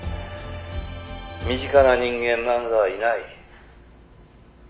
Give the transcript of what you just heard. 身近な人間なんぞはいない」